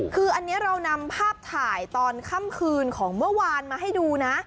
คืออันนี้เรานำภาพถ่ายตอนค่ำคืนของเมื่อวานมาให้ดูนะ